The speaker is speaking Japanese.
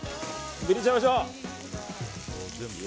入れちゃいましょう。